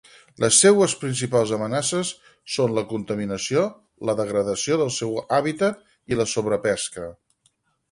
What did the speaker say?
Les seues principals amenaces són la contaminació, la degradació del seu hàbitat i la sobrepesca.